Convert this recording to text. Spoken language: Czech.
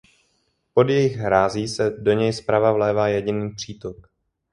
Pod jejich hrází se do něj zprava vlévá jediný přítok.